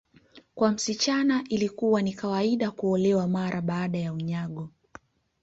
Kwa msichana ilikuwa ni kawaida kuolewa mara baada ya unyago